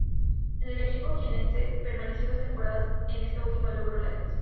En el equipo jiennense permaneció dos temporadas, en esta última logró el ascenso.